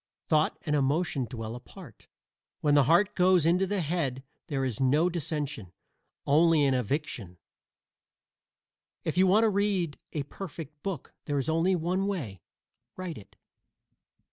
Thought and emotion dwell apart. When the heart goes into the head there is no dissension; only an eviction. If you want to read a perfect book there is only one way: write it.